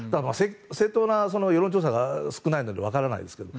正当な世論調査が少ないので分からないですけど。